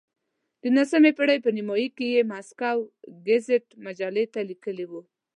د نولسمې پېړۍ په نیمایي کې یې ماسکو ګزیت مجلې ته لیکلي وو.